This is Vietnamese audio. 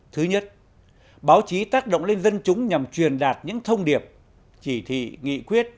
thứ nhất báo chí tác động lên dân chúng nhằm truyền đạt những thông điệp chỉ thị nghị quyết